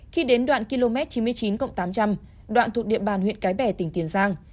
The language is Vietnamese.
khi đến đoạn km chín mươi chín cộng tám trăm linh đoạn thuộc địa bàn huyện cái bè tỉnh tiền giang